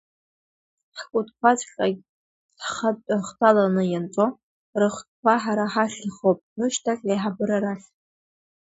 Ҳкәытқәаҵәҟьа хтәаланы ианҵо, рыхқәа ҳара ҳахь ихоуп, рышьҭахь аиҳабыра рахь…